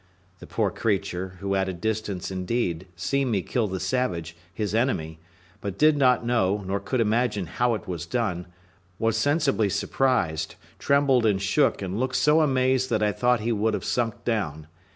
The poor creature, who had at a distance, indeed, seen me kill the savage, his enemy, but did not know, nor could imagine how it was done, was sensibly surprised, trembled, and shook, and looked so amazed that I thought he would have sunk down.